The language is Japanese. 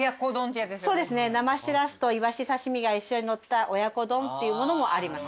そうですね生シラスとイワシ刺し身が一緒にのった親子丼っていうものもありますね。